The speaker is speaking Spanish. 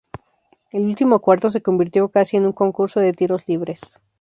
El último cuarto se convirtió casi en un concurso de tiros libres.